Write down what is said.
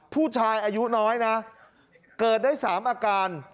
ผู้ชายอายุน้อยนะเกิดได้๓อาการ